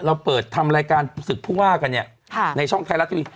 เราเปิดทำรายการศึกผู้ว่ากันเนี่ยในช่องไทยรัฐทีวี